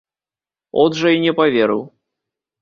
От жа і не паверыў.